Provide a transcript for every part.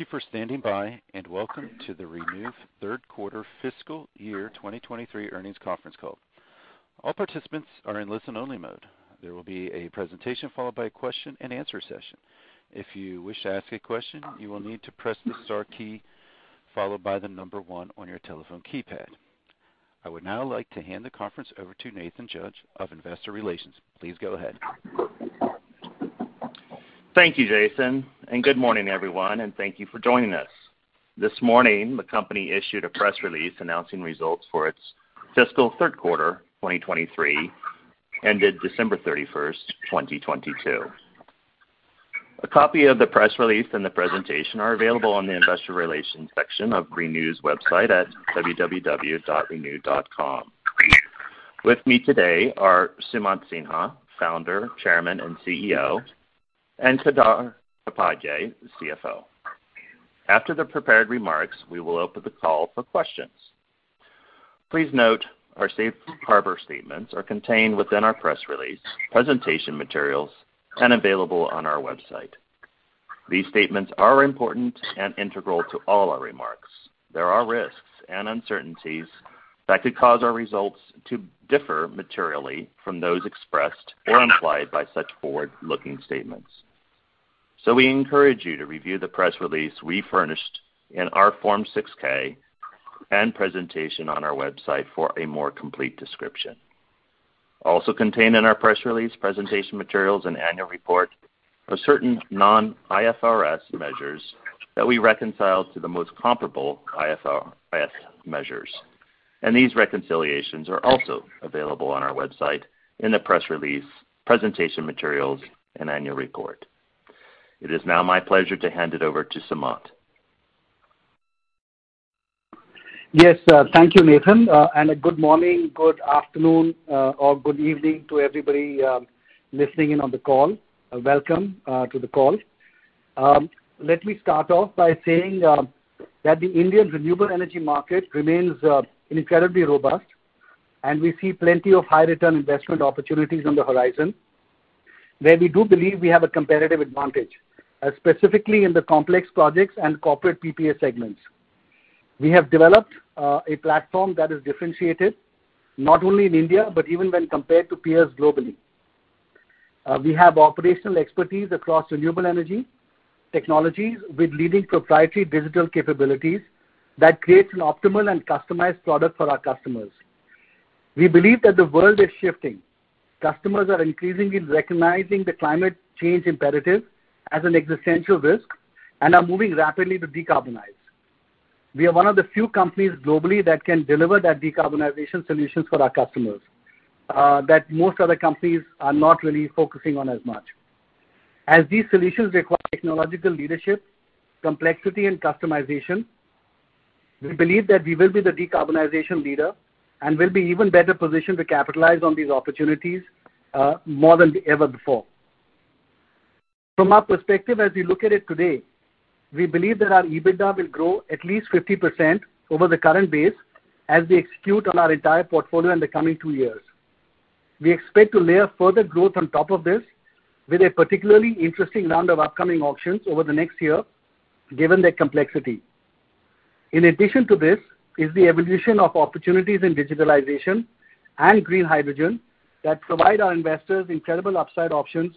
Thank you for standing by. Welcome to the ReNew third quarter fiscal year 2023 earnings conference call. All participants are in listen only mode. There will be a presentation followed by a question and answer session. If you wish to ask a question, you will need to press the star key followed by 1 on your telephone keypad. I would now like to hand the conference over to Nathan Judge of Investor Relations. Please go ahead. Thank you, Jason, and good morning, everyone, and thank you for joining us. This morning, the company issued a press release announcing results for its fiscal 3rd quarter 2023, ended December 31, 2022. A copy of the press release and the presentation are available on the investor relations section of ReNew's website at www.renew.com. With me today are Sumant Sinha, Founder, Chairman, and CEO, and Kedar Upadhye, CFO. After the prepared remarks, we will open the call for questions. Please note our safe harbor statements are contained within our press release, presentation materials, and available on our website. These statements are important and integral to all our remarks. There are risks and uncertainties that could cause our results to differ materially from those expressed or implied by such forward-looking statements. We encourage you to review the press release we furnished in our Form 6-K and presentation on our website for a more complete description. Also contained in our press release, presentation materials and annual report are certain non-IFRS measures that we reconcile to the most comparable IFRS measures. These reconciliations are also available on our website in the press release, presentation materials, and annual report. It is now my pleasure to hand it over to Sumant. Yes, thank you, Nathan. Good morning, good afternoon, or good evening to everybody listening in on the call. Welcome to the call. Let me start off by saying that the Indian renewable energy market remains incredibly robust, and we see plenty of high return investment opportunities on the horizon, where we do believe we have a competitive advantage specifically in the complex projects and corporate PPA segments. We have developed a platform that is differentiated not only in India, but even when compared to peers globally. We have operational expertise across renewable energy technologies with leading proprietary digital capabilities that creates an optimal and customized product for our customers. We believe that the world is shifting. Customers are increasingly recognizing the climate change imperative as an existential risk and are moving rapidly to decarbonize. We are one of the few companies globally that can deliver decarbonization solutions for our customers that most other companies are not really focusing on as much. As these solutions require technological leadership, complexity and customization, we believe that we will be the decarbonization leader and will be even better positioned to capitalize on these opportunities more than ever before. From our perspective, as we look at it today, we believe that our EBITDA will grow at least 50% over the current base as we execute on our entire portfolio in the coming two years. We expect to layer further growth on top of this with a particularly interesting round of upcoming auctions over the next year, given their complexity. In addition to this is the evolution of opportunities in digitalization and green hydrogen that provide our investors incredible upside options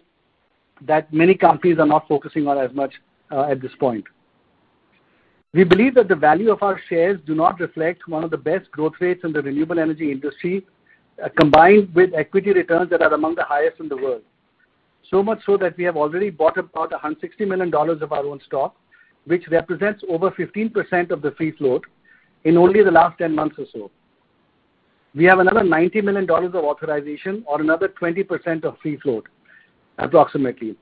that many companies are not focusing on as much at this point. We believe that the value of our shares do not reflect one of the best growth rates in the renewable energy industry, combined with equity returns that are among the highest in the world. We have already bought about $160 million of our own stock, which represents over 15% of the free float in only the last 10 months or so. We have another $90 million of authorization or another 20% of free float, approximately,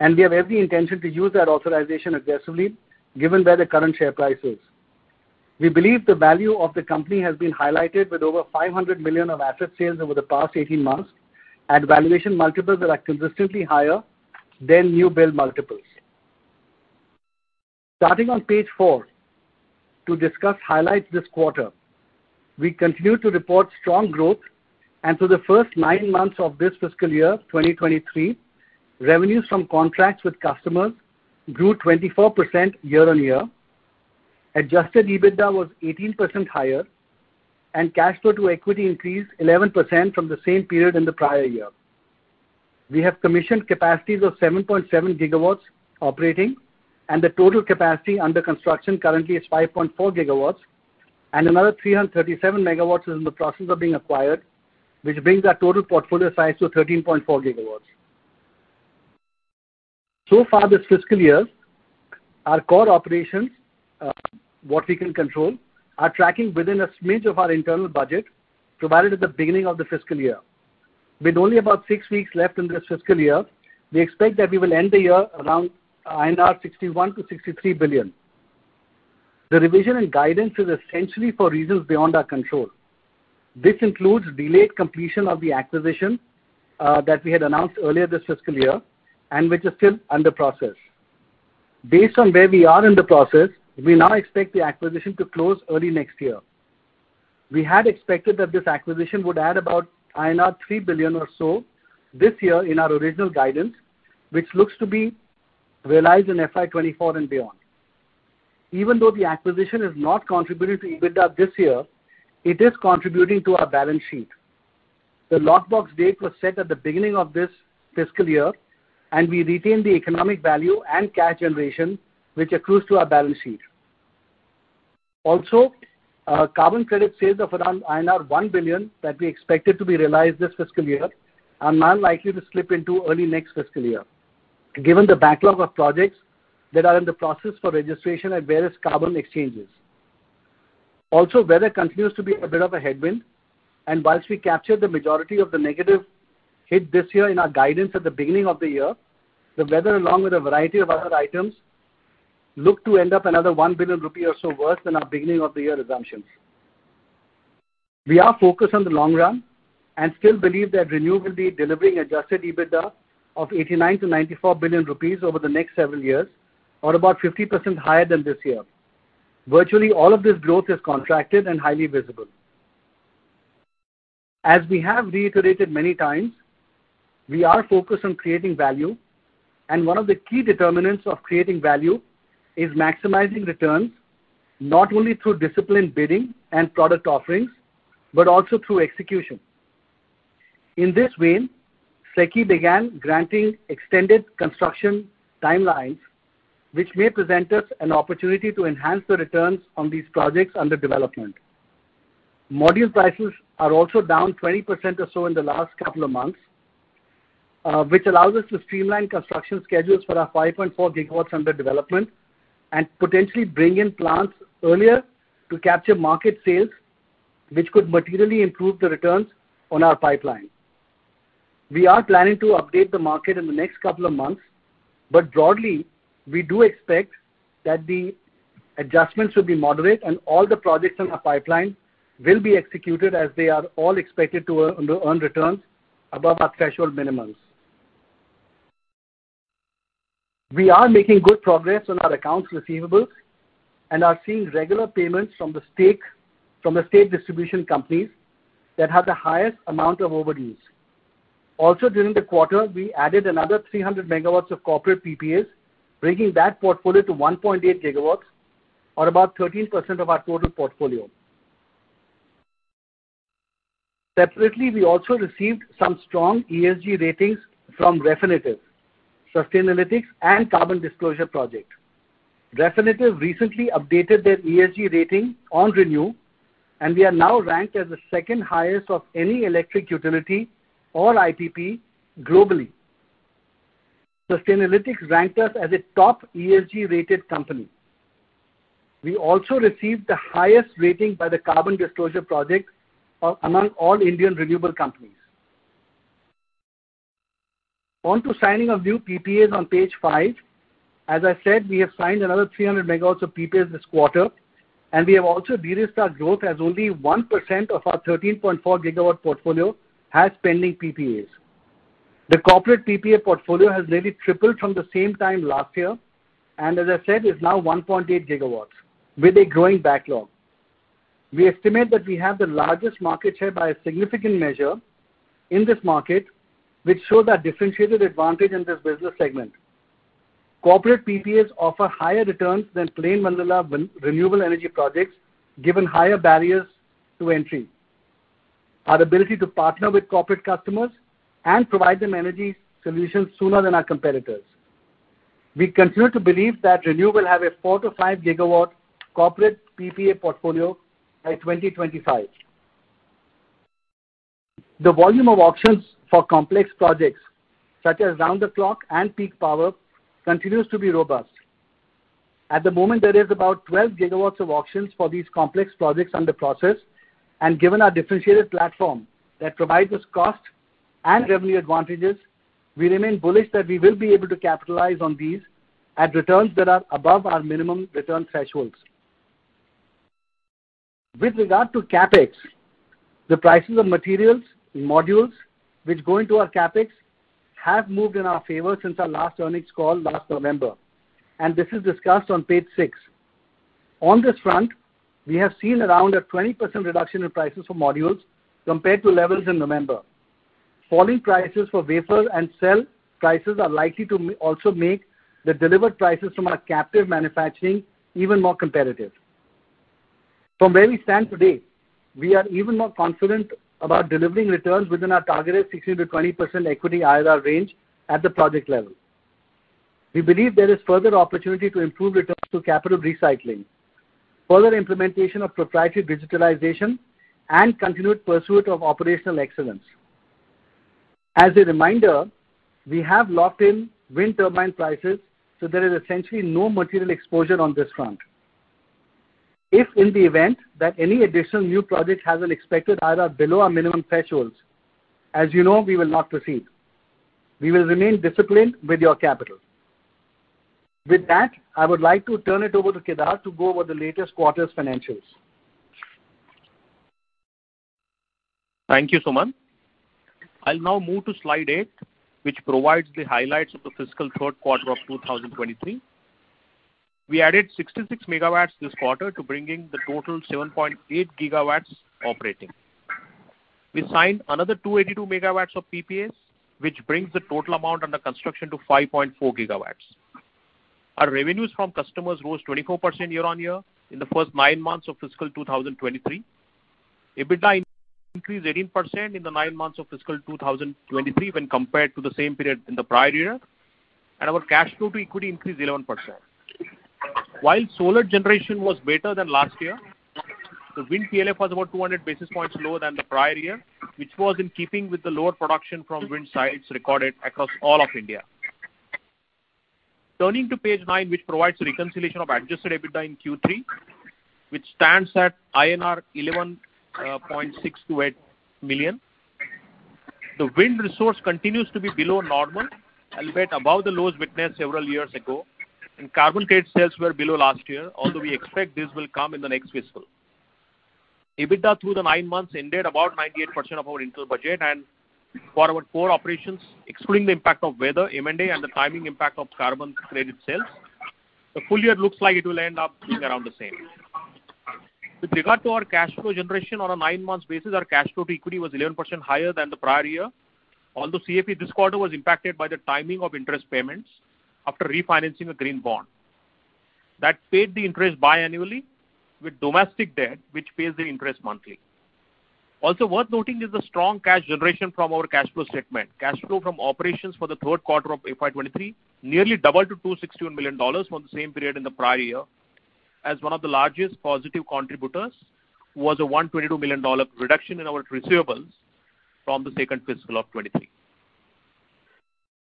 and we have every intention to use that authorization aggressively given where the current share price is. We believe the value of the company has been highlighted with over $500 million of asset sales over the past 18 months at valuation multiples that are consistently higher than new build multiples. Starting on page 4, I will discuss highlights from this quarter. We continue to report strong growth, for the first 9 months of this fiscal year, 2023, revenues from contracts with customers grew 24% year-on-year. Adjusted EBITDA was 18% higher, cash flow to equity increased 11% from the same period in the prior year. We have commissioned capacities of 7.7 gigawatts operating, the total capacity under construction currently is 5.4 gigawatts, another 337 megawatts is in the process of being acquired, which brings our total portfolio size to 13.4 gigawatts. So far this fiscal year, our core operations, what we can control, are tracking within a smidge of our internal budget provided at the beginning of the fiscal year. With only about 6 weeks left in this fiscal year, we expect that we will end the year around INR 61 billion-63 billion. The revision and guidance is essentially for reasons beyond our control. This includes delayed completion of the acquisition, that we had announced earlier this fiscal year and which is still under process. Based on where we are in the process, we now expect the acquisition to close early next year. We had expected that this acquisition would add about INR 3 billion or so this year in our original guidance, which looks to be realized in FY 2024 and beyond. Even though the acquisition has not contributed to EBITDA this year, it is contributing to our balance sheet. The lockbox date was set at the beginning of this fiscal year, and we retained the economic value and cash generation which accrues to our balance sheet. Also, carbon credit sales of around INR 1 billion that we expected to be realized this fiscal year are now likely to slip into early next fiscal year, given the backlog of projects that are in the process for registration at various carbon exchanges. Also, weather continues to be a bit of a headwind, and whilst we capture the majority of the negative hit this year in our guidance at the beginning of the year, the weather, along with a variety of other items, look to end up another 1 billion rupee or so worse than our beginning of the year assumptions. We are focused on the long run and still believe that ReNew will be delivering adjusted EBITDA of 89 billion-94 billion rupees over the next several years, or about 50% higher than this year. Virtually all of this growth is contracted and highly visible. As we have reiterated many times, we are focused on creating value, and one of the key determinants of creating value is maximizing returns, not only through disciplined bidding and product offerings, but also through execution. In this vein, SECI began granting extended construction timelines, which may present us an opportunity to enhance the returns on these projects under development. Module prices are also down 20% or so in the last couple of months, which allows us to streamline construction schedules for our 5.4 gigawatts under development and potentially bring in plants earlier to capture market sales, which could materially improve the returns on our pipeline. Broadly, we are planning to update the market in the next couple of months, but we do expect that the adjustments will be moderate and all the projects in our pipeline will be executed as they are all expected to earn returns above our threshold minimums. We are making good progress on our accounts receivables and are seeing regular payments from the state distribution companies that have the highest amount of overdues. During the quarter, we added another 300 megawatts of corporate PPAs, bringing that portfolio to 1.8 gigawatts or about 13% of our total portfolio. Separately, we also received some strong ESG ratings from Refinitiv, Sustainalytics and Carbon Disclosure Project. Refinitiv recently updated their ESG rating on ReNew, we are now ranked as the second highest of any electric utility or IPP globally. Sustainalytics ranked us as a top ESG-rated company. We also received the highest rating by the Carbon Disclosure Project among all Indian renewable companies. On to signing of new PPAs on page 5. As I said, we have signed another 300 megawatts of PPAs this quarter, we have also de-risked our growth as only 1% of our 13.4 gigawatt portfolio has pending PPAs. The corporate PPA portfolio has nearly tripled from the same time last year, and as I said, is now 1.8 gigawatts with a growing backlog. We estimate that we have the largest market share by a significant measure in this market, which shows our differentiated advantage in this business segment. Corporate PPAs offer higher returns than plain vanilla renewable energy projects, given higher barriers to entry. Our ability to partner with corporate customers and provide them energy solutions sooner than our competitors. We continue to believe that ReNew will have a 4 to 5 gigawatt corporate PPA portfolio by 2025. The volume of auctions for complex projects such as Round the Clock and peak power continues to be robust. At the moment, there is about 12 gigawatts of auctions for these complex projects under process. Given our differentiated platform that provides us cost and revenue advantages, we remain bullish that we will be able to capitalize on these at returns that are above our minimum return thresholds. With regard to CapEx, the prices of materials, modules which go into our CapEx have moved in our favor since our last earnings call last November, and this is discussed on page 6. On this front, we have seen around a 20% reduction in prices for modules compared to levels in November. Falling prices for wafer and cell prices are likely to also make the delivered prices from our captive manufacturing even more competitive. From where we stand today, we are even more confident about delivering returns within our targeted 16%-20% equity IRR range at the project level. We believe there is further opportunity to improve returns through capital recycling, further implementation of proprietary digitalization and continued pursuit of operational excellence. As a reminder, we have locked in wind turbine prices, so there is essentially no material exposure on this front. If in the event that any additional new project has an expected IRR below our minimum thresholds, as you know, we will not proceed. We will remain disciplined with your capital. With that, I would like to turn it over to Kedar to go over the latest quarter's financials. Thank you, Sumant. I'll now move to slide 8, which provides the highlights of the fiscal third quarter of 2023. We added 66 MW this quarter to bringing the total 7.8 GW operating. We signed another 282 MW of PPAs, which brings the total amount under construction to 5.4 GW. Our revenues from customers rose 24% year-on-year in the first nine months of fiscal 2023. EBITDA increased 18% in the nine months of fiscal 2023 when compared to the same period in the prior year, and our cash flow to equity increased 11%. While solar generation was better than last year, the wind PLF was about 200 basis points lower than the prior year, which was in keeping with the lower production from wind sites recorded across all of India. Turning to page nine, which provides reconciliation of adjusted EBITDA in Q3, which stands at INR 11.628 billion. The wind resource continues to be below normal, albeit above the lows witnessed several years ago. Carbon trade sales were below last year, although we expect this will come in the next fiscal. EBITDA through the 9 months ended about 98% of our internal budget and for our core operations, excluding the impact of weather, M&A, and the timing impact of carbon credit sales. The full year looks like it will end up being around the same. With regard to our cash flow generation on a 9-month basis, our cash flow to equity was 11% higher than the prior year. CapEx this quarter was impacted by the timing of interest payments after refinancing a green bond. That paid the interest biannually with domestic debt, which pays the interest monthly. Also worth noting is the strong cash generation from our cash flow statement. Cash flow from operations for the third quarter of FY 23 nearly doubled to $261 million from the same period in the prior year as one of the largest positive contributors was a $122 million reduction in our receivables from the second fiscal of 23.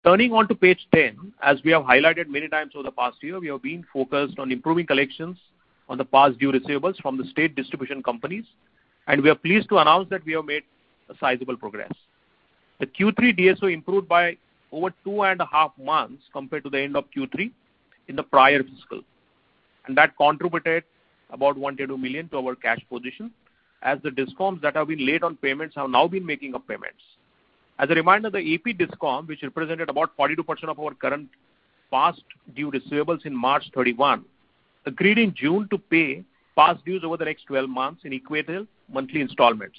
Turning on to page 10. As we have highlighted many times over the past year, we have been focused on improving collections on the past due receivables from the state distribution companies, and we are pleased to announce that we have made a sizable progress. The Q3 DSO improved by over two and a half months compared to the end of Q3 in the prior fiscal. That contributed about 122 million to our cash position. As the discoms that have been late on payments have now been making up payments. As a reminder, the AP Discom, which represented about 42% of our current past due receivables in March 31, agreed in June to pay past dues over the next 12 months in equated monthly installments,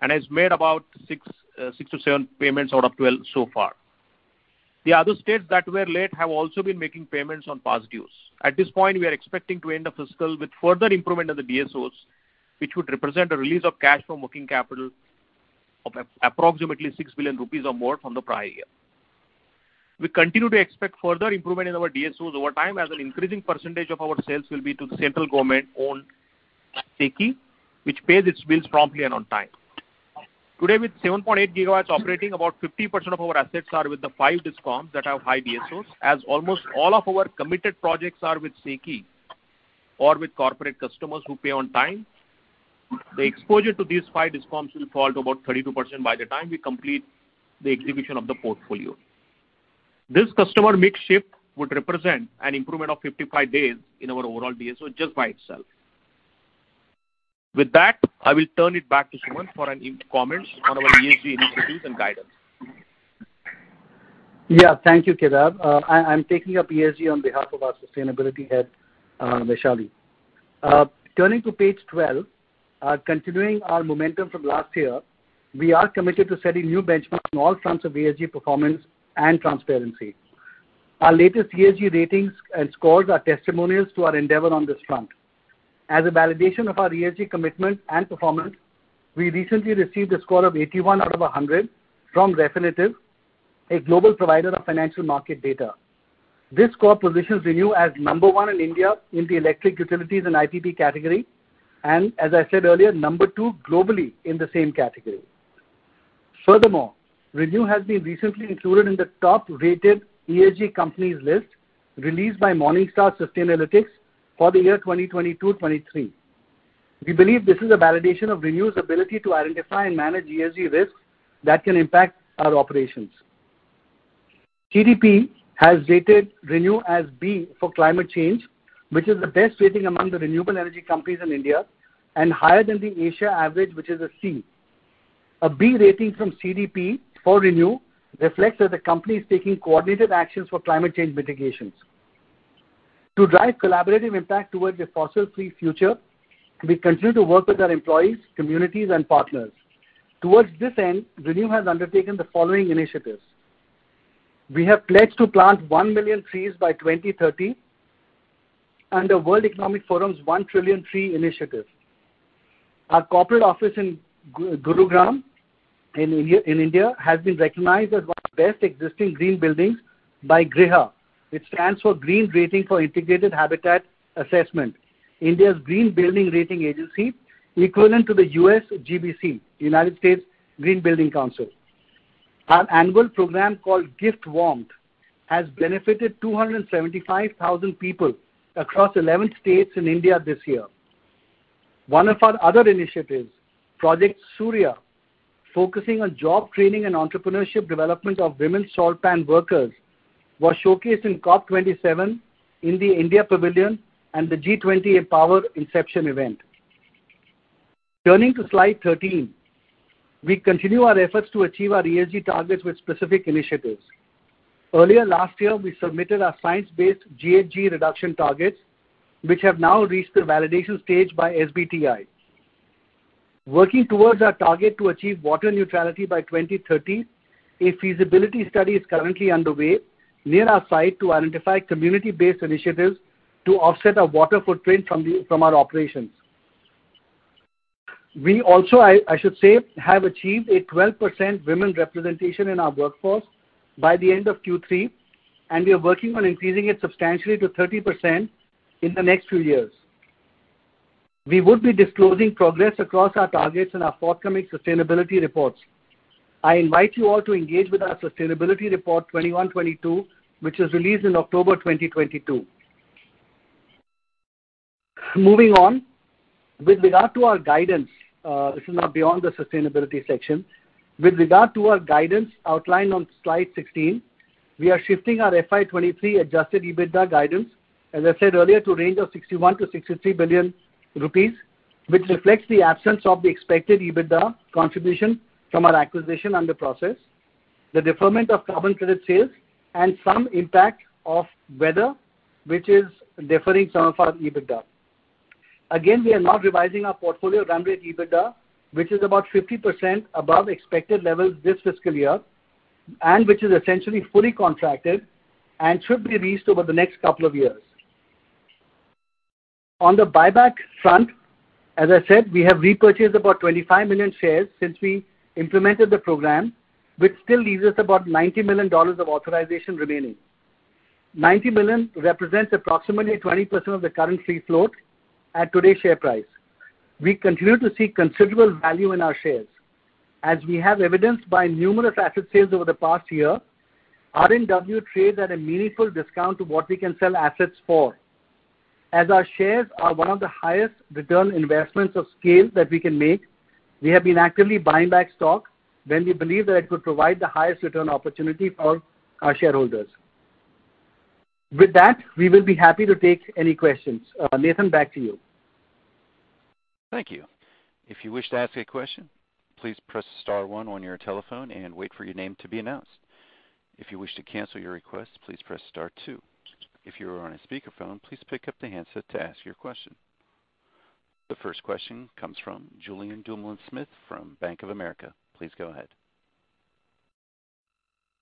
and has made about 6 to 7 payments out of 12 so far. The other states that were late have also been making payments on past dues. At this point, we are expecting to end the fiscal with further improvement of the DSOs, which would represent a release of cash from working capital of approximately 6 billion rupees or more from the prior year. We continue to expect further improvement in our DSOs over time as an increasing percentage of our sales will be to the central government-owned SECI, which pays its bills promptly and on time. Today, with 7.8 gigawatts operating, about 50% of our assets are with the five discoms that have high DSOs. Almost all of our committed projects are with SECI or with corporate customers who pay on time, the exposure to these five discoms will fall to about 32% by the time we complete the execution of the portfolio. This customer mix shift would represent an improvement of 55 days in our overall DSO just by itself. With that, I will turn it back to Sumant for any comments on our ESG initiatives and guidance. Yeah. Thank you, Kedar. I'm taking up ESG on behalf of our sustainability head, Vaishali. Turning to page 12, continuing our momentum from last year, we are committed to setting new benchmarks on all fronts of ESG performance and transparency. Our latest ESG ratings and scores are testimonials to our endeavor on this front. As a validation of our ESG commitment and performance, we recently received a score of 81 out of 100 from Refinitiv, a global provider of financial market data. This score positions ReNew as number 1 in India in the electric utilities and IPP category. As I said earlier, number 2 globally in the same category. Furthermore, ReNew has been recently included in the top-rated ESG companies list released by Morningstar Sustainalytics for the year 2022/23. We believe this is a validation of ReNew's ability to identify and manage ESG risks that can impact our operations. CDP has rated ReNew as B for climate change, which is the best rating among the renewable energy companies in India and higher than the Asia average, which is a C. A B rating from CDP for ReNew reflects that the company is taking coordinated actions for climate change mitigations. To drive collaborative impact towards a fossil-free future, we continue to work with our employees, communities, and partners. Towards this end, ReNew has undertaken the following initiatives. We have pledged to plant 1 million trees by 2030 under World Economic Forum's One Trillion Trees Initiative. Our corporate office in Gurugram in India has been recognized as one of the best existing green buildings by GRIHA. It stands for Green Rating for Integrated Habitat Assessment, India's green building rating agency, equivalent to the USGBC, United States Green Building Council. Our annual program, called Gift Warmth, has benefited 275,000 people across 11 states in India this year. One of our other initiatives, Project Surya, focusing on job training and entrepreneurship development of women salt pan workers was showcased in COP27 in the India Pavilion and the G20 EMPOWER Inception event. Turning to Slide 13, we continue our efforts to achieve our ESG targets with specific initiatives. Earlier last year, we submitted our science-based GHG reduction targets, which have now reached the validation stage by SBTi. Working towards our target to achieve water neutrality by 2030, a feasibility study is currently underway near our site to identify community-based initiatives to offset our water footprint from our operations. We also, I should say, have achieved a 12% women representation in our workforce by the end of Q3. We are working on increasing it substantially to 30% in the next few years. We would be disclosing progress across our targets in our forthcoming sustainability reports. I invite you all to engage with our sustainability report 2021-2022, which was released in October 2022. Moving on, with regard to our guidance, this is now beyond the sustainability section. With regard to our guidance outlined on Slide 16, we are shifting our FY 2023 adjusted EBITDA guidance, as I said earlier, to a range of 61 billion-63 billion rupees, which reflects the absence of the expected EBITDA contribution from our acquisition under process, the deferment of carbon credit sales, and some impact of weather, which is deferring some of our EBITDA. We are not revising our portfolio run rate EBITDA, which is about 50% above expected levels this fiscal year, which is essentially fully contracted and should be leased over the next couple of years. On the buyback front, as I said, we have repurchased about 25 million shares since we implemented the program, which still leaves us about $90 million of authorization remaining. $90 million represents approximately 20% of the current free float at today's share price. We continue to see considerable value in our shares. As we have evidenced by numerous asset sales over the past year, RNW trades at a meaningful discount to what we can sell assets for. As our shares are one of the highest return investments of scale that we can make, we have been actively buying back stock when we believe that it could provide the highest return opportunity for our shareholders. With that, we will be happy to take any questions. Nathan, back to you. Thank you. If you wish to ask a question, please press star one on your telephone and wait for your name to be announced. If you wish to cancel your request, please press star two. If you are on a speakerphone, please pick up the handset to ask your question. The first question comes from Julien Dumoulin-Smith from Bank of America. Please go ahead.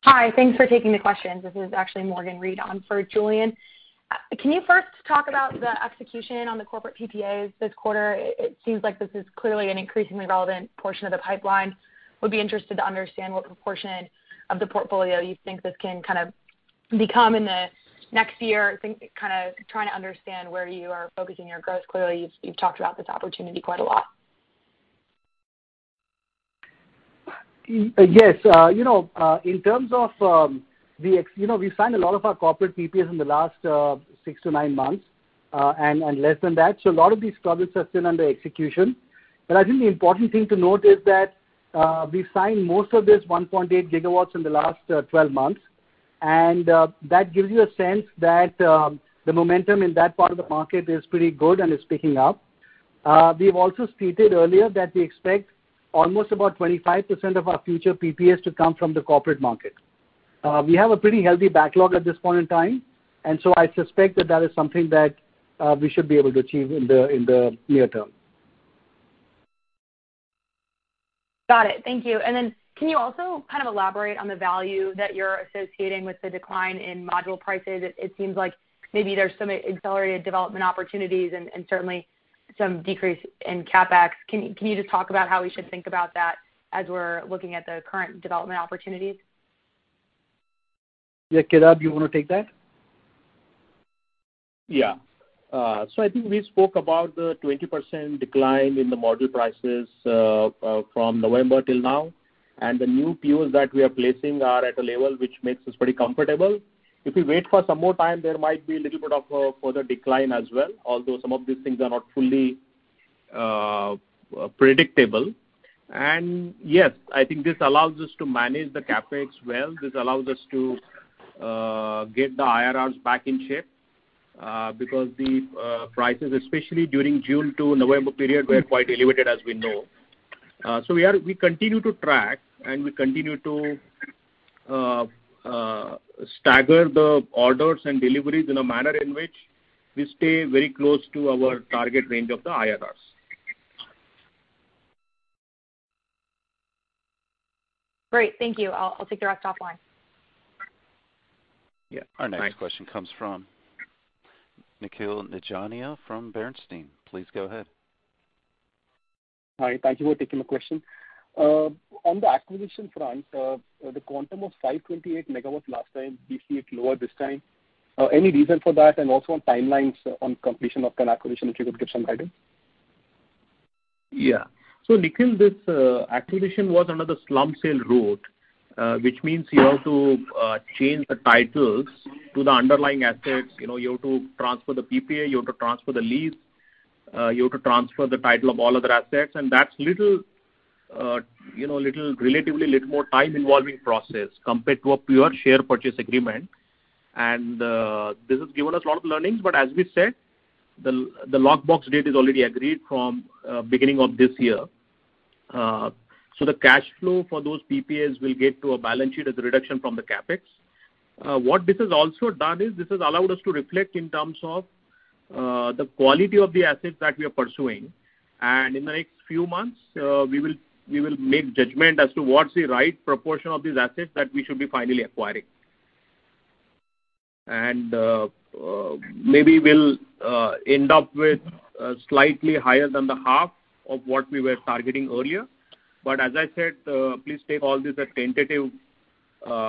Hi. Thanks for taking the questions. This is actually Morgan Reid on for Julien. Can you first talk about the execution on the corporate PPAs this quarter? It seems like this is clearly an increasingly relevant portion of the pipeline. Would be interested to understand what proportion of the portfolio you think this can kind of become in the next year. I think, kind of trying to understand where you are focusing your growth. Clearly, you've talked about this opportunity quite a lot. Yes. You know, in terms of, You know, we've signed a lot of our corporate PPAs in the last 6 to 9 months, and less than that, so a lot of these projects are still under execution. I think the important thing to note is that we signed most of this 1.8 gigawatts in the last 12 months. That gives you a sense that the momentum in that part of the market is pretty good and is picking up. We've also stated earlier that we expect almost about 25% of our future PPAs to come from the corporate market. We have a pretty healthy backlog at this point in time, and so I suspect that that is something that we should be able to achieve in the, in the near term. Got it. Thank you. Can you also kind of elaborate on the value that you're associating with the decline in module prices? It seems like maybe there's some accelerated development opportunities and certainly some decrease in CapEx. Can you just talk about how we should think about that as we're looking at the current development opportunities? Yeah. Kailash, do you want to take that? Yeah. I think we spoke about the 20% decline in the module prices from November till now. The new POs that we are placing are at a level which makes us pretty comfortable. If we wait for some more time, there might be a little bit of further decline as well, although some of these things are not fully predictable. Yes, I think this allows us to manage the CapEx well. This allows us to get the IRRs back in shape because the prices, especially during June to November period, were quite elevated, as we know. We continue to track, and we continue to stagger the orders and deliveries in a manner in which we stay very close to our target range of the IRRs. Great. Thank you. I'll take the rest offline. Yeah. Thanks. Our next question comes from Nikhil Nigania from Bernstein. Please go ahead. Hi. Thank you for taking the question. On the acquisition front, the quantum of 5.8 megawatts last time, we see it lower this time. Any reason for that? Also on timelines on completion of current acquisition, if you could give some guidance. Yeah. Nikhil, this acquisition was under the slump sale route, which means you have to change the titles to the underlying assets. You know, you have to transfer the PPA, you have to transfer the lease. You have to transfer the title of all other assets, and that's little, you know, little, relatively little more time involving process compared to a pure share purchase agreement. This has given us a lot of learnings, but as we said, the lockbox date is already agreed from beginning of this year. The cash flow for those PPAs will get to a balance sheet as a reduction from the CapEx. What this has also done is this has allowed us to reflect in terms of the quality of the assets that we are pursuing. In the next few months, we will make judgment as to what's the right proportion of these assets that we should be finally acquiring. Maybe we'll end up with slightly higher than the half of what we were targeting earlier. As I said, please take all this as tentative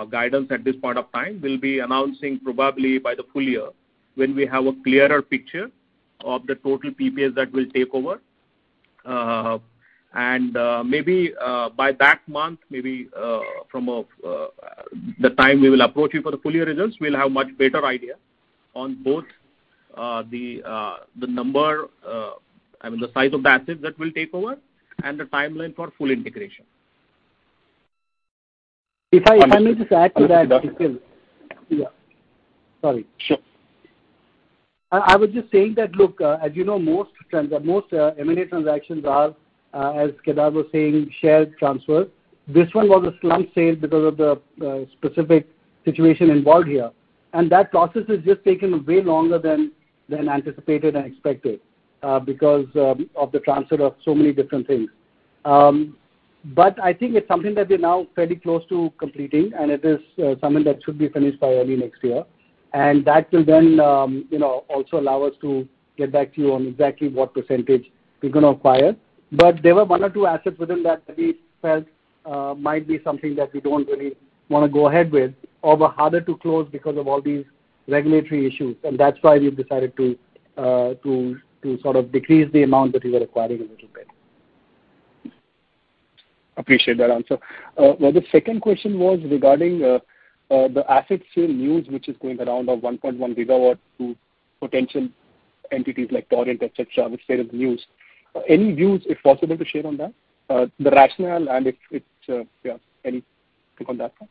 guidance at this point of time. We'll be announcing probably by the full year when we have a clearer picture of the total PPAs that we'll take over. Maybe by that month, maybe from the time we will approach you for the full year results, we'll have much better idea on both the number, I mean, the size of the assets that we'll take over and the timeline for full integration. If I may just add to that, Nikhil. Yeah. Sorry. Sure. I was just saying that, look, as you know, most M&A transactions are, as Kedar was saying, shared transfers. This one was a slump sale because of the specific situation involved here. That process has just taken way longer than anticipated and expected because of the transfer of so many different things. I think it's something that we're now fairly close to completing, and it is something that should be finished by early next year. That will then, you know, also allow us to get back to you on exactly what percentage we're gonna acquire. There were one or two assets within that we felt might be something that we don't really wanna go ahead with or were harder to close because of all these regulatory issues. That's why we've decided to sort of decrease the amount that we were acquiring a little bit. Appreciate that answer. The second question was regarding the asset sale news, which is going around of 1.1 gigawatts to potential entities like ORIX, et cetera. Which state of the news? Any views, if possible, to share on that? The rationale and if it's, yeah, any take on that one?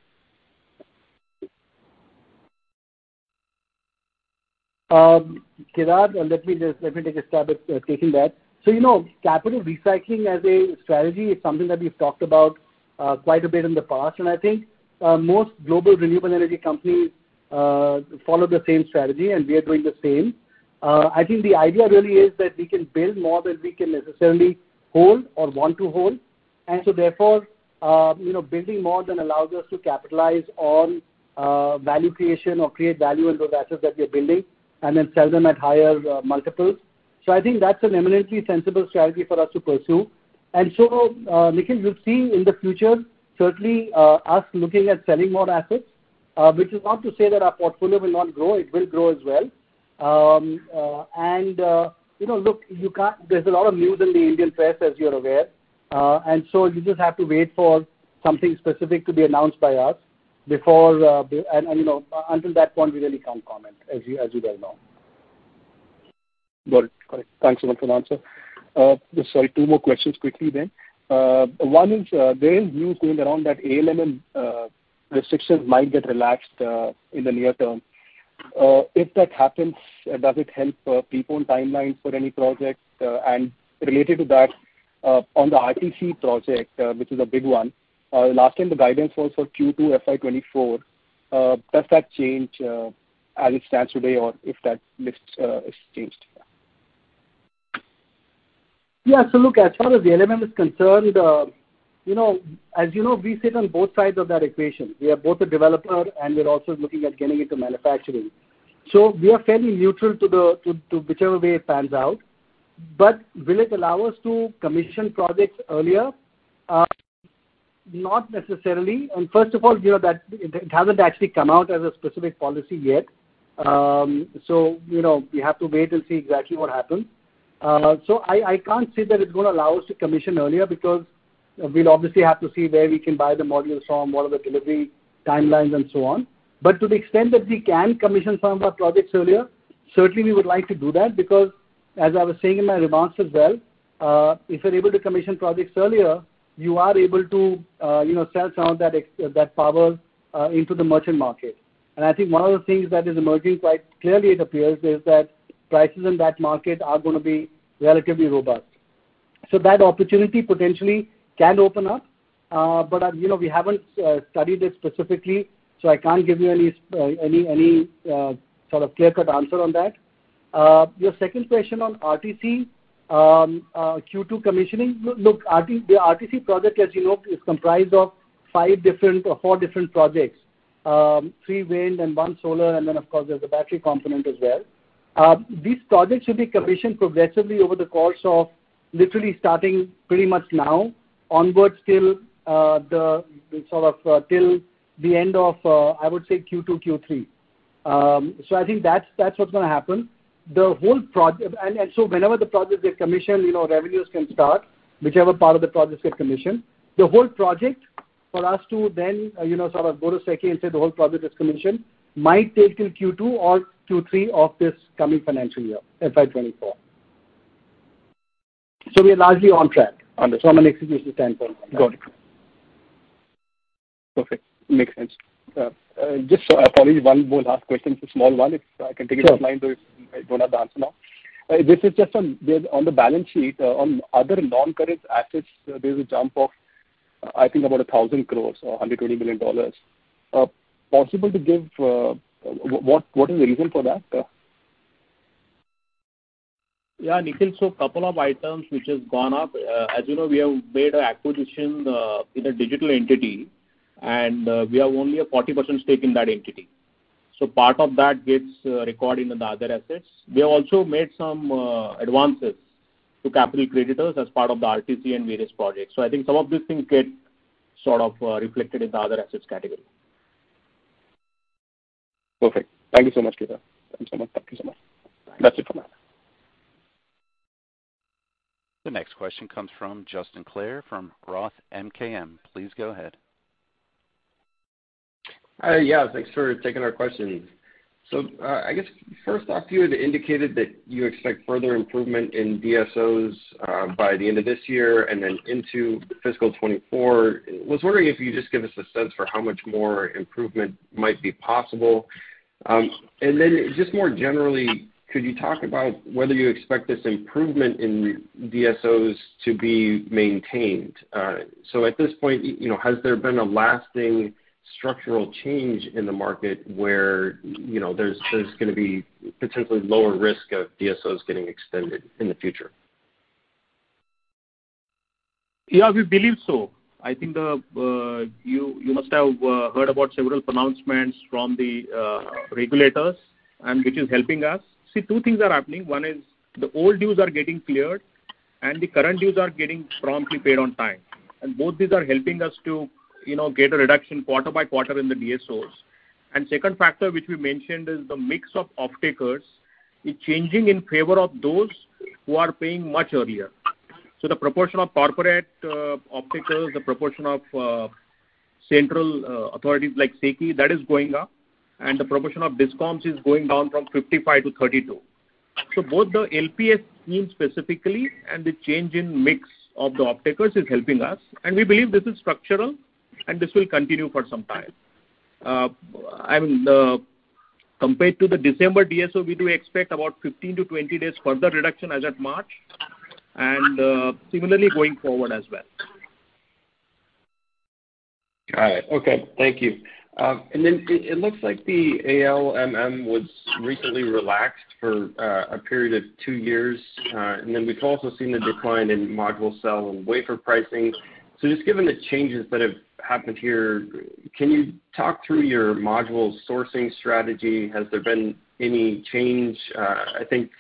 Kedar, let me take a stab at taking that. You know, capital recycling as a strategy is something that we've talked about, quite a bit in the past. I think most global renewable energy companies follow the same strategy, and we are doing the same. I think the idea really is that we can build more than we can necessarily hold or want to hold. Therefore, you know, building more then allows us to capitalize on value creation or create value in those assets that we are building and then sell them at higher multiples. I think that's an eminently sensible strategy for us to pursue. Nikhil, you'll see in the future, certainly, us looking at selling more assets, which is not to say that our portfolio will not grow. It will grow as well. And, you know, look, you can't... There's a lot of news in the Indian press, as you're aware. You just have to wait for something specific to be announced by us before. And, you know, until that point, we really can't comment, as you, as you well know. Thanks so much for the answer. Just sorry, two more questions quickly then. One is, there is news going around that ALMM restrictions might get relaxed in the near term. If that happens, does it help prepone timelines for any projects? And related to that, on the RTC project, which is a big one, last time the guidance was for Q2 FY 2024. Does that change as it stands today or if that list is changed Yeah. Look, as far as the ALMM is concerned, you know, as you know, we sit on both sides of that equation. We are both a developer, and we're also looking at getting into manufacturing. We are fairly neutral to whichever way it pans out. Will it allow us to commission projects earlier? Not necessarily. First of all, you know that it hasn't actually come out as a specific policy yet. You know, we have to wait and see exactly what happens. I can't say that it's gonna allow us to commission earlier because we'll obviously have to see where we can buy the modules from, what are the delivery timelines and so on. To the extent that we can commission some of our projects earlier, certainly we would like to do that because as I was saying in my remarks as well, if you're able to commission projects earlier, you are able to, you know, sell some of that power into the merchant market. I think one of the things that is emerging quite clearly it appears is that prices in that market are gonna be relatively robust. That opportunity potentially can open up. You know, we haven't studied it specifically, so I can't give you any sort of clear-cut answer on that. Your second question on RTC, Q2 commissioning. Look, the RTC project, as you know, is comprised of five different or four different projects, three wind and one solar, and then of course there's the battery component as well. These projects should be commissioned progressively over the course of literally starting pretty much now onwards till the sort of till the end of I would say Q2, Q3. I think that's what's gonna happen. The whole project And so whenever the projects get commissioned, you know, revenues can start, whichever part of the projects get commissioned. The whole project for us to then, you know, sort of go to SECI and say the whole project is commissioned might take till Q2 or Q3 of this coming financial year, FY 2024. We are largely on track on this from an execution standpoint. Got it. Perfect. Makes sense. Just probably one more last question. It's a small one, if I can take it offline, though, if you don't have the answer now. This is just on the balance sheet, on other non-current assets, there's a jump of I think about 1,000 crores or $120 million. Possible to give, what is the reason for that? Nikhil, couple of items which has gone up. As you know, we have made an acquisition with a digital entity, and we have only a 40% stake in that entity. Part of that gets recorded in the other assets. We have also made some advances to an 8 GW auction as part of the RTC and various projects. I think some of these things get sort of reflected in the other assets category. Perfect. Thank you so much, Kedar. Thank you so much. Thank you so much. Bye. That's it from me. The next question comes from Justin Clare from ROTH MKM. Please go ahead. Yeah, thanks for taking our question. I guess first off, you had indicated that you expect further improvement in DSOs by the end of this year and then into fiscal 2024. Was wondering if you could just give us a sense for how much more improvement might be possible. Just more generally, could you talk about whether you expect this improvement in DSOs to be maintained? At this point, you know, has there been a lasting structural change in the market where, you know, there's gonna be potentially lower risk of DSOs getting extended in the future? Yeah, we believe so. I think the, you must have heard about several pronouncements from the regulators and which is helping us. See, two things are happening. One is the old dues are getting cleared, and the current dues are getting promptly paid on time. Both these are helping us to, you know, get a reduction quarter by quarter in the DSOs. Second factor which we mentioned is the mix of offtakers is changing in favor of those who are paying much earlier. The proportion of corporate offtakers, the proportion of central authorities like SECI, that is going up, and the proportion of discoms is going down from 55 to 32. Both the LPS scheme specifically and the change in mix of the offtakers is helping us, and we believe this is structural and this will continue for some time. Compared to the December DSO, we do expect about 15-20 days further reduction as at March similarly going forward as well. Got it. Okay. Thank you. It looks like the ALMM was recently relaxed for a period of two years. We've also seen the decline in module cell and wafer pricing. Just given the changes that have happened here, can you talk through your module sourcing strategy? Has there been any change? I think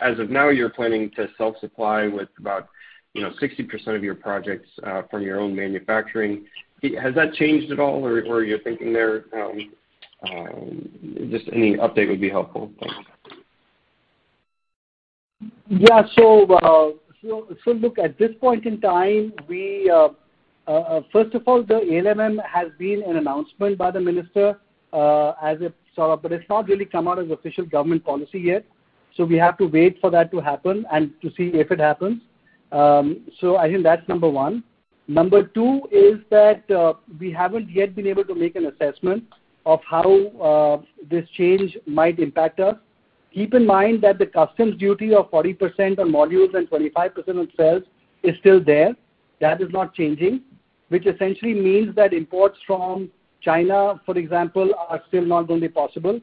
as of now, you're planning to self-supply with about, you know, 60% of your projects from your own manufacturing. Has that changed at all or are you thinking there? Just any update would be helpful. Thanks. Yeah. Look, at this point in time, we, first of all, the ALMM has been an announcement by the minister. It's not really come out as official government policy yet. We have to wait for that to happen and to see if it happens. I think that's number 1. Number 2 is that, we haven't yet been able to make an assessment of how this change might impact us. Keep in mind that the customs duty of 40% on modules and 25% on cells is still there. That is not changing, which essentially means that imports from China, for example, are still not going to be possible.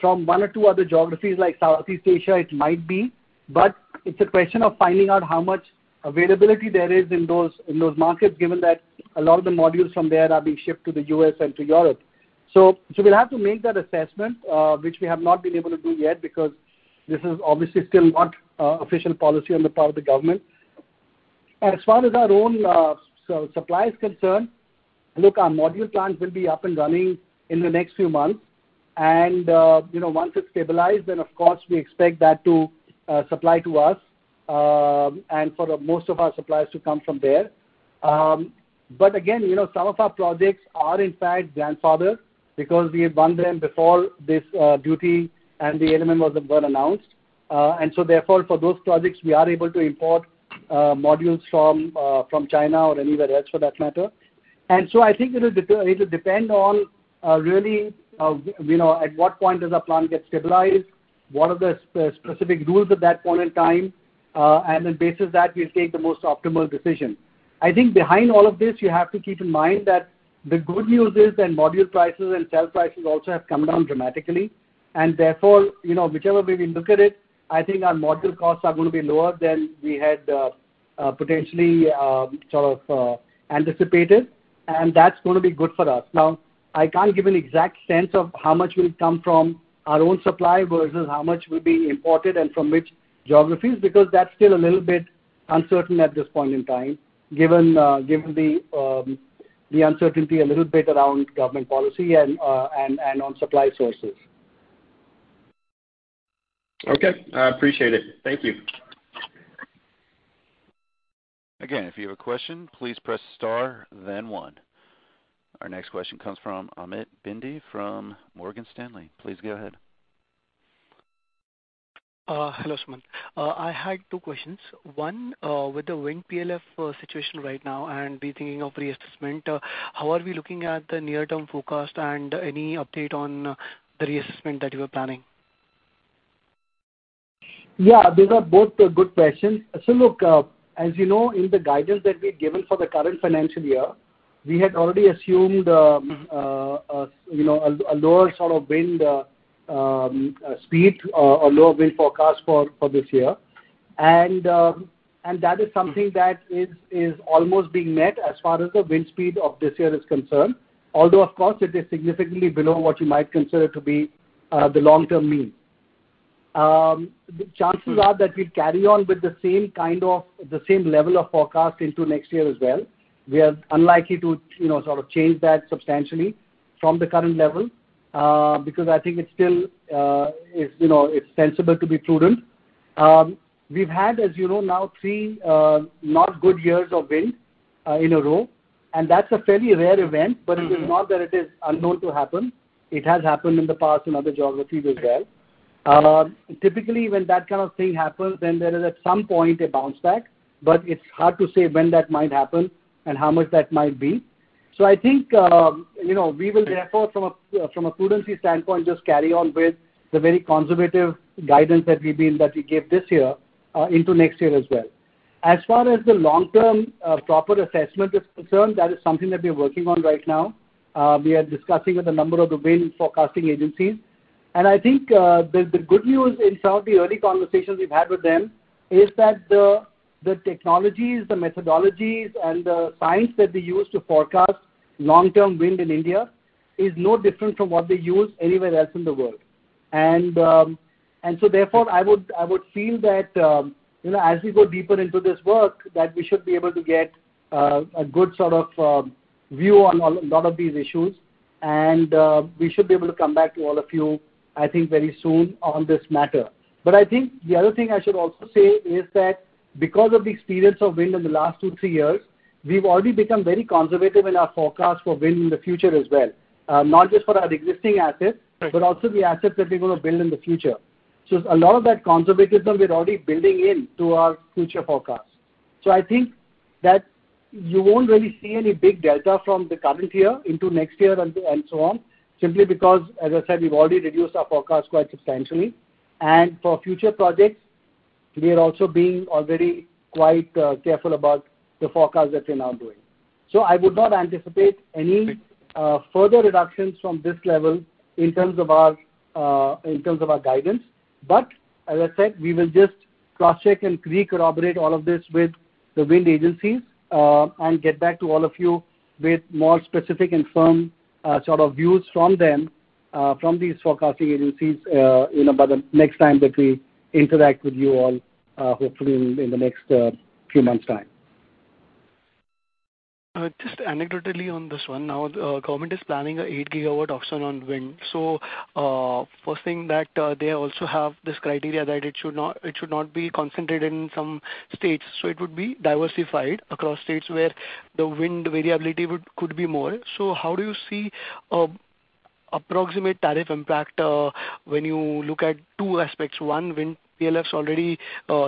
From one or two other geographies like Southeast Asia, it might be, but it's a question of finding out how much availability there is in those markets, given that a lot of the modules from there are being shipped to the US and to Europe. We'll have to make that assessment, which we have not been able to do yet because this is obviously still not official policy on the part of the government. As far as our own supply is concerned, look, our module plant will be up and running in the next few months. You know, once it's stabilized, then of course, we expect that to supply to us and for the most of our supplies to come from there. Again, you know, some of our projects are in fact grandfathered because we won them before this duty and the ALMM was announced. Therefore, for those projects we are able to import modules from China or anywhere else for that matter. I think it'll depend on really, you know, at what point does our plant get stabilized, what are the specific rules at that point in time, and then basis that we'll take the most optimal decision. I think behind all of this, you have to keep in mind that the good news is that module prices and cell prices also have come down dramatically and therefore, you know, whichever way we look at it, I think our module costs are gonna be lower than we had potentially, sort of, anticipated, and that's gonna be good for us. Now, I can't give an exact sense of how much will come from our own supply versus how much will be imported and from which geographies, because that's still a little bit uncertain at this point in time, given the uncertainty a little bit around government policy and on supply sources. Okay. I appreciate it. Thank you. If you have a question, please press star then 1. Our next question comes from Amit Bhinde from Morgan Stanley. Please go ahead. Hello, Sumant. I had 2 questions. One, with the wind PLF situation right now and rethinking of reassessment, how are we looking at the near-term forecast and any update on the reassessment that you are planning? Yeah. These are both good questions. Look, as you know in the guidance that we've given for the current financial year, we had already assumed, you know, a lower sort of wind speed, a lower wind forecast for this year. That is something that is almost being met as far as the wind speed of this year is concerned. Although of course it is significantly below what you might consider to be the long-term mean. The chances are that we carry on with the same kind of, the same level of forecast into next year as well. We are unlikely to, you know, sort of change that substantially from the current level, because I think it's still, you know, sensible to be prudent. We've had, as you know now, three not good years of wind in a row, and that's a fairly rare event. Mm-hmm. It is not that it is unknown to happen. It has happened in the past in other geographies as well. Typically, when that kind of thing happens, then there is at some point a bounce back, but it's hard to say when that might happen and how much that might be. I think, you know, we will therefore from a prudency standpoint, just carry on with the very conservative guidance that we gave this year, into next year as well. As far as the long-term, proper assessment is concerned, that is something that we're working on right now. We are discussing with a number of the wind forecasting agencies. I think, the good news in some of the early conversations we've had with them is that the technologies, the methodologies and the science that they use to forecast long-term wind in India is no different from what they use anywhere else in the world. So therefore, I would feel that, you know, as we go deeper into this work, that we should be able to get a good sort of view on a lot of these issues, and we should be able to come back to all of you, I think, very soon on this matter. I think the other thing I should also say is that because of the experience of wind in the last two, three years, we've already become very conservative in our forecast for wind in the future as well, not just for our existing assets. Right but also the assets that we're gonna build in the future. A lot of that conservatism we're already building in to our future forecast. I think that you won't really see any big delta from the current year into next year and so on, simply because, as I said, we've already reduced our forecast quite substantially. For future projects, we are also being already quite careful about the forecast that we're now doing. I would not anticipate any- Great... further reductions from this level in terms of our guidance. As I said, we will just crosscheck and re-corroborate all of this with the wind agencies, and get back to all of you with more specific and firm sort of views from them, from these forecasting agencies, you know, by the next time that we interact with you all, hopefully in the next few months' time. Just anecdotally on this one. The government is planning a 8 GW auction on wind. First thing that they also have this criteria that it should not be concentrated in some states, so it would be diversified across states where the wind variability could be more. How do you see a approximate tariff impact when you look at two aspects? One, wind PLFs already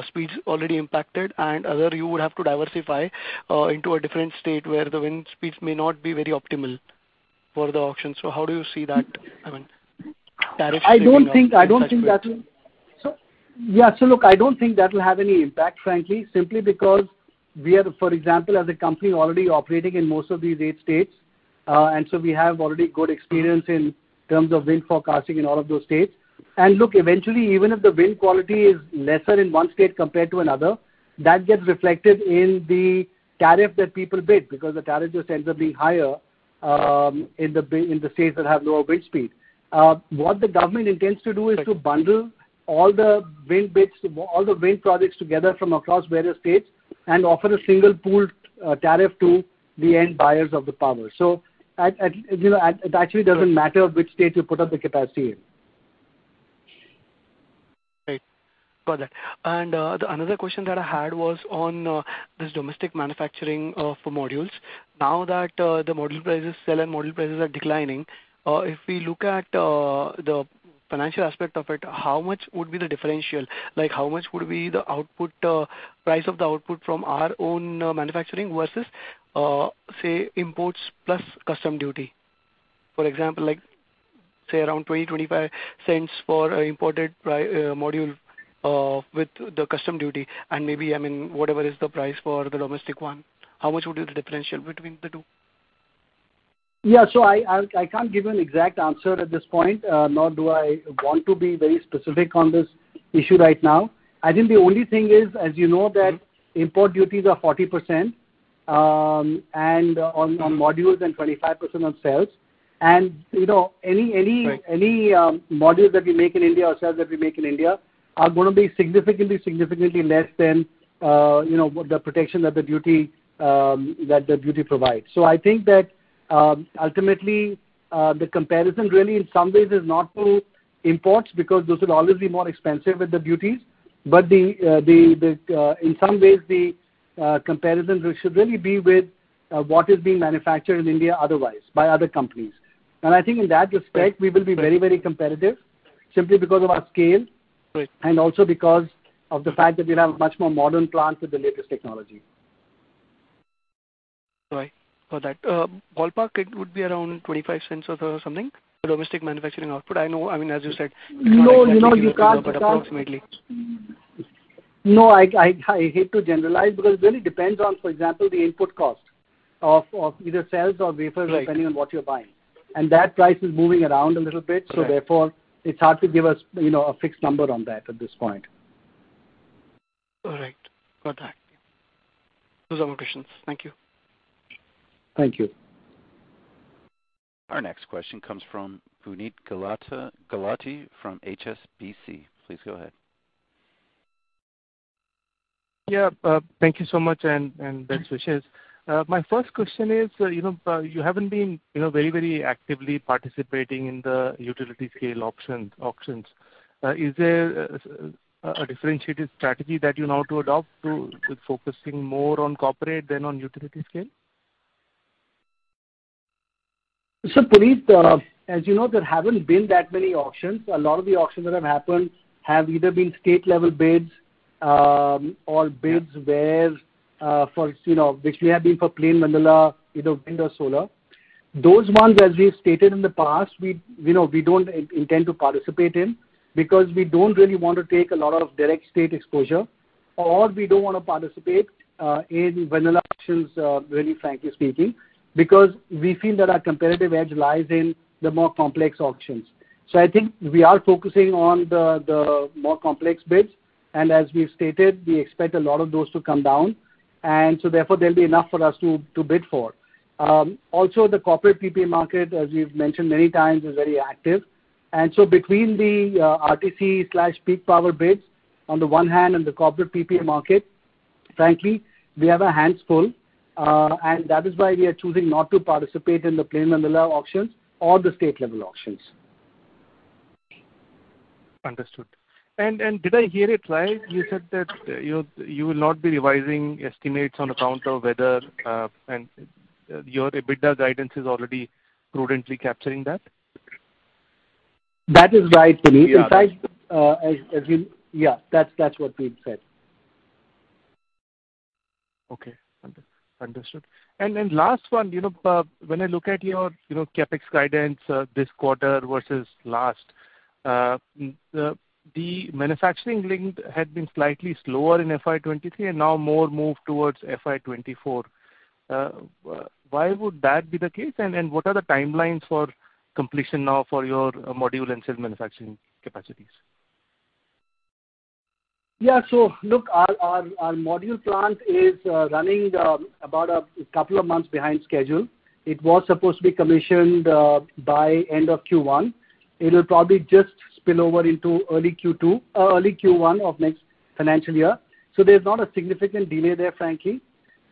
speeds already impacted, and other, you would have to diversify into a different state where the wind speeds may not be very optimal for the auction. How do you see that, I mean, tariff? I don't think that. Yeah. Look, I don't think that will have any impact, frankly, simply because we are, for example, as a company already operating in most of these eight states, we have already good experience in terms of wind forecasting in all of those states. Look, eventually, even if the wind quality is lesser in one state compared to another, that gets reflected in the tariff that people bid because the tariff just ends up being higher in the states that have lower wind speed. What the government intends to do is to bundle all the wind bids, all the wind projects together from across various states and offer a single pooled tariff to the end buyers of the power. At, you know, at, it actually doesn't matter which state you put up the capacity in. Great. Got that. The another question that I had was on this domestic manufacturing for modules. Now that the module prices, cell and module prices are declining, if we look at the financial aspect of it, how much would be the differential? Like, how much would be the output price of the output from our own manufacturing versus say imports plus custom duty? For example, like say around $0.20-$0.25 for imported module with the custom duty and maybe, I mean, whatever is the price for the domestic one. How much would be the differential between the two? Yeah. I can't give you an exact answer at this point, nor do I want to be very specific on this issue right now. I think the only thing is, as you know that import duties are 40% on modules and 25% on cells. you know, any Right any modules that we make in India or cells that we make in India are gonna be significantly less than, you know, the protection that the duty that the duty provides. I think that ultimately the comparison really in some ways is not to imports because those will always be more expensive with the duties, but the, in some ways the comparison should really be with what is being manufactured in India otherwise by other companies. I think in that respect we will be very competitive simply because of our scale. Right. Also because of the fact that we have much more modern plants with the latest technology. Right. Got that. ballpark it would be around $0.25 or something, domestic manufacturing output? I know, I mean, as you said but approximately. No, you know, you can't... No, I hate to generalize because it really depends on, for example, the input cost of either cells or wafers... Right. depending on what you're buying. That price is moving around a little bit. Right. Therefore it's hard to give us, you know, a fixed number on that at this point. All right. Got that. Those are my questions. Thank you. Thank you. Our next question comes from Puneet Gulati from HSBC. Please go ahead. Yeah. Thank you so much, and best wishes. My first question is, you know, you haven't been, you know, very, very actively participating in the utility scale options. Is there a differentiated strategy that you now to adopt to, with focusing more on corporate than on utility scale? Puneet, as you know, there haven't been that many auctions. A lot of the auctions that have happened have either been state level bids, or bids where, which may have been for plain vanilla, you know, wind or solar. Those ones, as we have stated in the past, we, you know, we don't intend to participate in because we don't really want to take a lot of direct state exposure, or we don't wanna participate in vanilla auctions, really frankly speaking, because we feel that our competitive edge lies in the more complex auctions. I think we are focusing on the more complex bids, and as we've stated, we expect a lot of those to come down. Therefore there'll be enough for us to bid for. Also the corporate PPA market, as we've mentioned many times, is very active. Between the RTC slash peak power bids on the one hand and the corporate PPA market, frankly, we have our hands full. That is why we are choosing not to participate in the plain vanilla auctions or the state level auctions. Understood. Did I hear it right? You said that, you know, you will not be revising estimates on account of weather, and your EBITDA guidance is already prudently capturing that? That is right, Puneet. We are. In fact, as you. Yeah. That's what we've said. Okay. Under-understood. Last one. You know, when I look at your, you know, CapEx guidance, this quarter versus last, the manufacturing link had been slightly slower in FY 2023 and now more moved towards FY 2024. Why would that be the case? What are the timelines for completion now for your module and cell manufacturing capacities? Yeah. Look, our module plant is running about 2 months behind schedule. It was supposed to be commissioned by end of Q1. It'll probably just spill over into early Q2 or early Q1 of next financial year. There's not a significant delay there, frankly.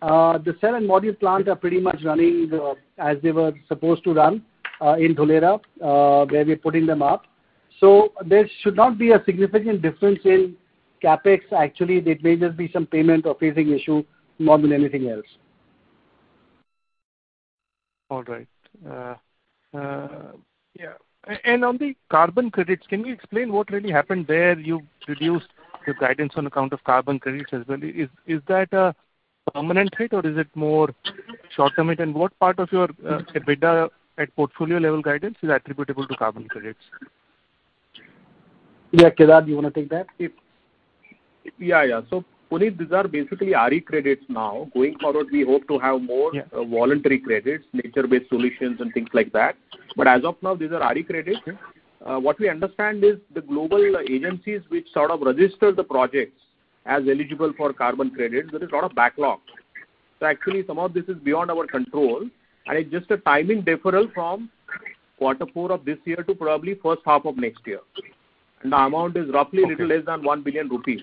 The cell and module plant are pretty much running as they were supposed to run in Dholera, where we're putting them up. There should not be a significant difference in CapEx. Actually there may just be some payment or phasing issue more than anything else. All right. Yeah. On the carbon credits, can you explain what really happened there? You reduced your guidance on account of carbon credits as well. Is that a permanent hit or is it more short-term hit? What part of your EBITDA at portfolio level guidance is attributable to carbon credits? Yeah. Kedar, do you wanna take that? Yeah. Yeah. Puneet, these are basically RE credits now. Going forward we hope to have. Yeah. -voluntary credits, nature-based solutions and things like that. As of now, these are RE credits. What we understand is the global agencies which sort of register the projects as eligible for carbon credits, there is a lot of backlogs. Actually some of this is beyond our control, and it's just a timing deferral from quarter four of this year to probably first half of next year. The amount is roughly. Okay. little less than 1 billion rupees.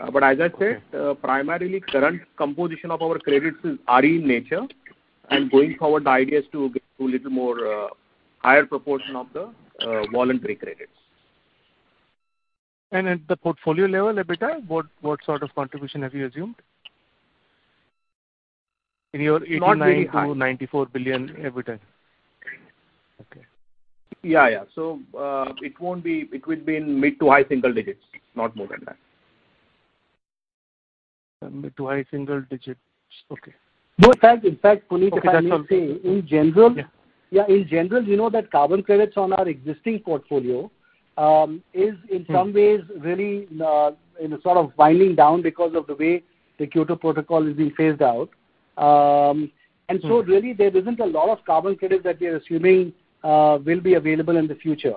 As I said, primarily current composition of our credits is RE in nature. Going forward the idea is to get to a little more higher proportion of the voluntary credits. At the portfolio level EBITDA, what sort of contribution have you assumed? Not very high. INR 89 billion-INR 94 billion EBITDA? Okay. Yeah, yeah. It would be in mid to high single digits, not more than that. Mid to high single digits. Okay. No, in fact, Puneet, if I may say. Okay, that's all. In general. Yeah. Yeah, in general, we know that carbon credits on our existing portfolio is in some ways really, you know, sort of winding down because of the way the GNA protocol is being phased out. Really there isn't a lot of carbon credits that we are assuming will be available in the future.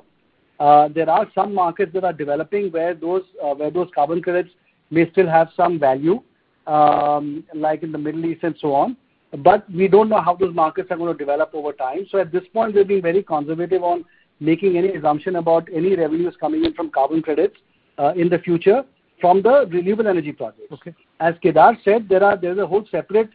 There are some markets that are developing where those where those carbon credits may still have some value, like in the Middle East and so on, but we don't know how those markets are gonna develop over time. At this point, we've been very conservative on making any assumption about any revenues coming in from carbon credits in the future. From the renewable energy projects. Okay. As Kedar said, there are, there's a whole separate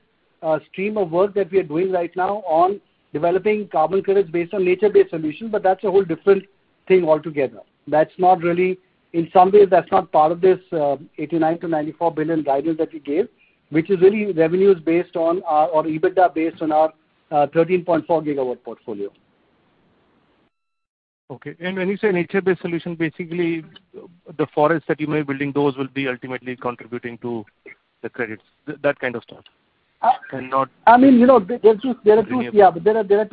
stream of work that we are doing right now on developing carbon credits based on nature-based solutions. That's a whole different thing altogether. That's not really. In some ways, that's not part of this $89 billion-$94 billion guidance that we gave, which is really revenues based on our or EBITDA based on our 13.4 gigawatt portfolio. Okay. When you say nature-based solution, basically the forest that you may be building, those will be ultimately contributing to the credits, that kind of stuff? Uh- And not- I mean, you know, there are two. Renewable. Yeah. There are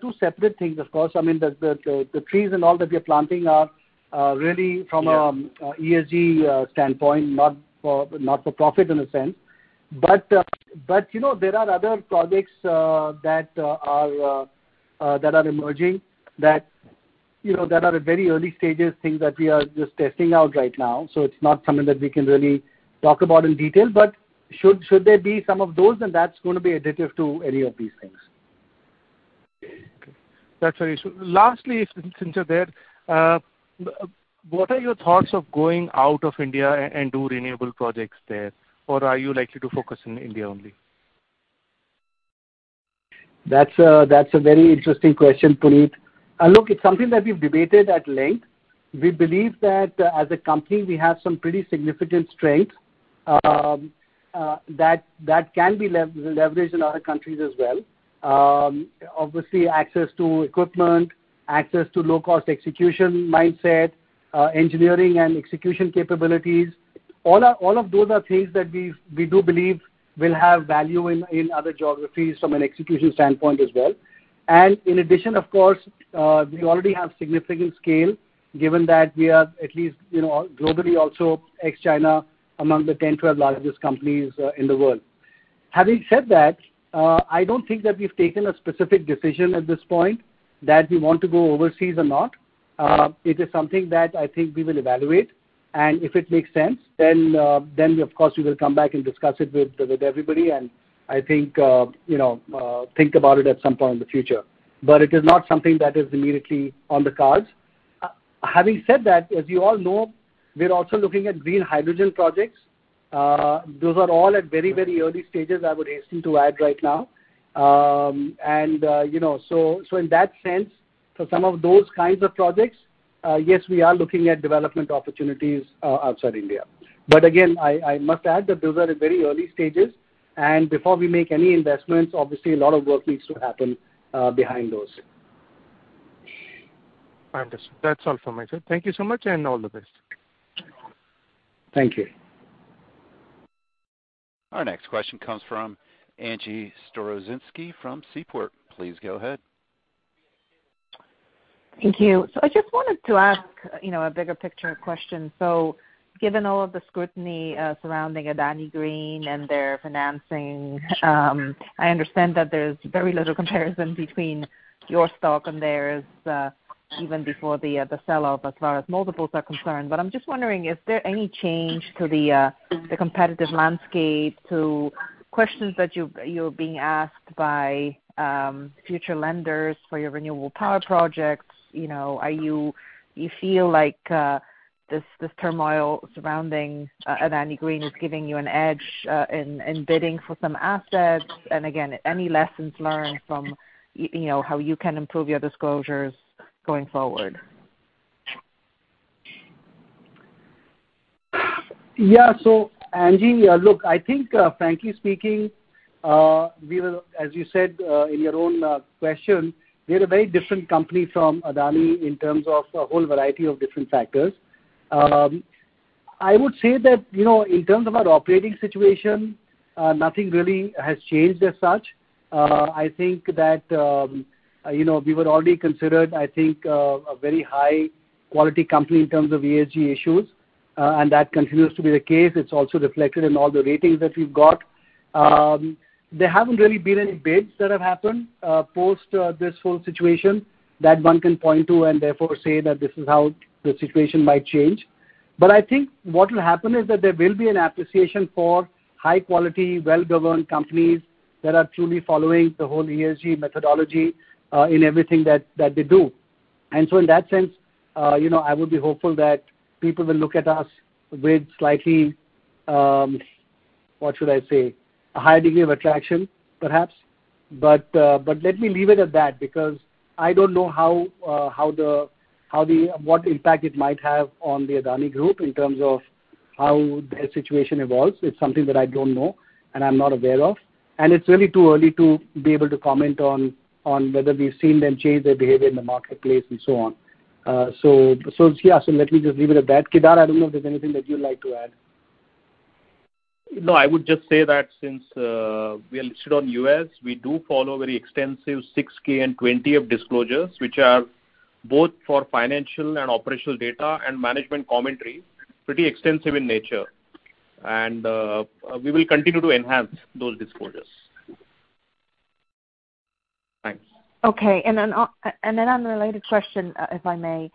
two separate things, of course. I mean, the trees and all that we are planting are really from. Yeah... ESG standpoint, not for, not-for-profit in a sense. You know, there are other projects that are emerging that, you know, that are at very early stages, things that we are just testing out right now, so it's not something that we can really talk about in detail. Should there be some of those, then that's gonna be additive to any of these things. Okay. That's very useful. Lastly, since you're there, what are your thoughts of going out of India and do renewable projects there? Or are you likely to focus in India only? That's a very interesting question, Puneet. It's something that we've debated at length. We believe that as a company we have some pretty significant strengths that can be leveraged in other countries as well. Obviously access to equipment, access to low-cost execution mindset, engineering and execution capabilities, all of those are things that we do believe will have value in other geographies from an execution standpoint as well. In addition, of course, we already have significant scale given that we are at least, you know, globally also ex China among the 10, 12 largest companies in the world. Having said that, I don't think that we've taken a specific decision at this point that we want to go overseas or not. that I think we will evaluate, and if it makes sense, then of course we will come back and discuss it with everybody. I think we will think about it at some point in the future, but it is not something that is immediately on the cards. Having said that, as you all know, we are also looking at green hydrogen projects. Those are all at very, very early stages, I would hasten to add right now. In that sense, for some of those kinds of projects, yes, we are looking at development opportunities outside India. Again, I must add that those are at very early stages, and before we make any investments, obviously a lot of work needs to happen behind those. Understood. That's all from my side. Thank you so much, and all the best. Thank you. Our next question comes from Angie Storozynski from Seaport Research Partners. Please go ahead. Thank you. I just wanted to ask, you know, a bigger picture question. Given all of the scrutiny surrounding Adani Green and their financing, I understand that there's very little comparison between your stock and theirs, even before the sell-off as far as multiples are concerned. I'm just wondering, is there any change to the competitive landscape to questions that you're being asked by future lenders for your renewable power projects? You know, you feel like this turmoil surrounding Adani Green is giving you an edge in bidding for some assets? Again, any lessons learned from, you know, how you can improve your disclosures going forward? Angie, look, I think, frankly speaking, we are, as you said, in your own, question, we're a very different company from Adani in terms of a whole variety of different factors. I would say that, you know, in terms of our operating situation, nothing really has changed as such. I think that, you know, we were already considered, I think, a very high quality company in terms of ESG issues, and that continues to be the case. It's also reflected in all the ratings that we've got. There haven't really been any bids that have happened, post, this whole situation that one can point to and therefore say that this is how the situation might change. I think what will happen is that there will be an appreciation for high quality, well-governed companies that are truly following the whole ESG methodology in everything that they do. In that sense, you know, I would be hopeful that people will look at us with slightly, what should I say? A higher degree of attraction perhaps. Let me leave it at that because I don't know how the, what impact it might have on the Adani Group in terms of how their situation evolves. It's something that I don't know and I'm not aware of, and it's really too early to be able to comment on whether we've seen them change their behavior in the marketplace and so on. Yeah. Let me just leave it at that. Kedar, I don't know if there's anything that you'd like to add. No, I would just say that since we are listed on U.S., we do follow very extensive 6-K and 20F disclosures, which are both for financial and operational data and management commentary. Pretty extensive in nature. We will continue to enhance those disclosures. Okay. Then on a related question, if I may.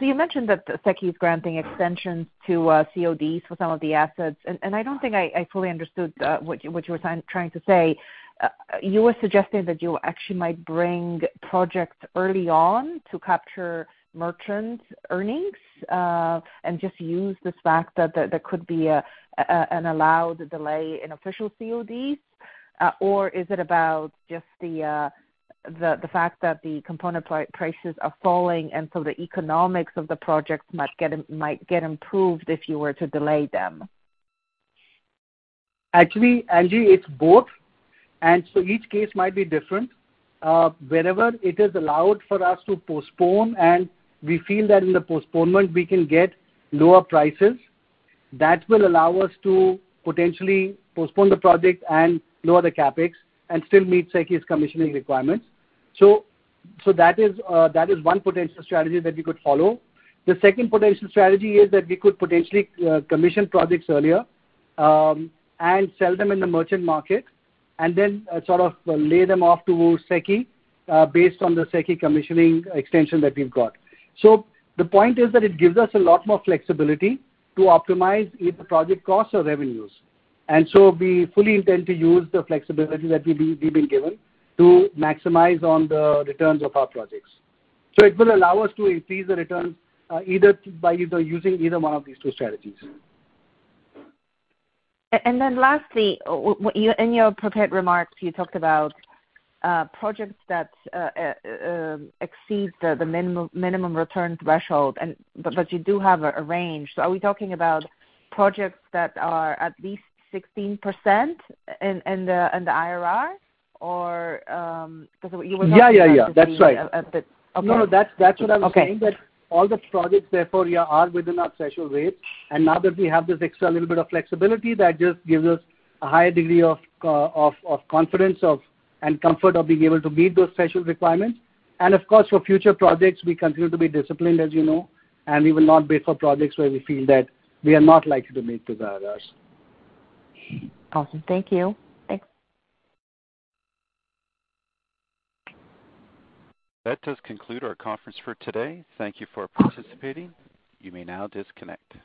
You mentioned that SECI is granting extensions to CODs for some of the assets. I don't think I fully understood what you were trying to say. You were suggesting that you actually might bring projects early on to capture merchant earnings, and just use this fact that there could be an allowed delay in official CODs? Is it about just the fact that the component prices are falling and so the economics of the projects might get improved if you were to delay them? Actually, Angie, it's both. Each case might be different. Wherever it is allowed for us to postpone and we feel that in the postponement we can get lower prices, that will allow us to potentially postpone the project and lower the CapEx and still meet SECI's commissioning requirements. That is one potential strategy that we could follow. The second potential strategy is that we could potentially commission projects earlier and sell them in the merchant market and then sort of lay them off towards SECI based on the SECI commissioning extension that we've got. The point is that it gives us a lot more flexibility to optimize either project costs or revenues. We fully intend to use the flexibility that we've been given to maximize on the returns of our projects. It will allow us to increase the returns, either by using either one of these two strategies. Lastly, in your prepared remarks you talked about projects that exceed the minimum return threshold and but you do have a range. Are we talking about projects that are at least 16% in the IRR or, because? Yeah, yeah. That's right. Okay. No, that's what I was saying. Okay. All the projects therefore yeah, are within our threshold rates. Now that we have this extra little bit of flexibility, that just gives us a higher degree of confidence of and comfort of being able to meet those threshold requirements. Of course, for future projects we continue to be disciplined, as you know, and we will not bid for projects where we feel that we are not likely to meet those IRRs. Awesome. Thank you. Thanks. That does conclude our conference for today. Thank you for participating. You may now disconnect.